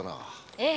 ええ。